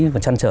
và trăn trở